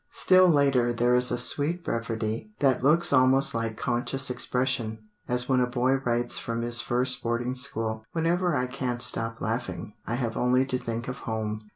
Still later, there is a sweet brevity that looks almost like conscious expression, as when a boy writes from his first boarding school: "Whenever I can't stop laughing I have only to think of home."